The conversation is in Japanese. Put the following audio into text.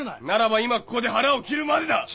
ならば今ここで腹を切るまでだ！